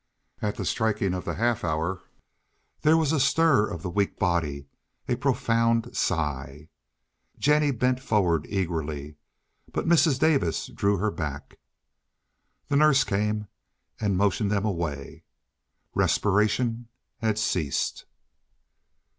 At the striking of the half hour there was a stir of the weak body—a profound sigh. Jennie bent forward eagerly, but Mrs. Davis drew her back. The nurse came and motioned them away. Respiration had ceased.